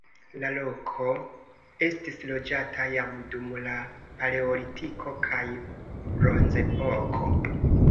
La loko estis loĝata jam dum la paleolitiko kaj bronzepoko.